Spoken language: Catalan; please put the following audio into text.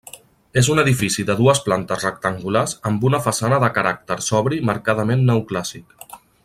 És un edifici de dues plantes rectangulars amb una façana de caràcter sobri marcadament neoclàssic.